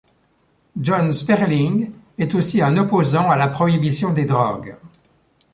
John Sperling est aussi un opposant à la prohibition des drogues.